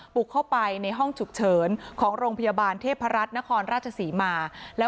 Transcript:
บุกเข้าไปในห้องฉุกเฉินของโรงพยาบาลเทพรัฐนครราชศรีมา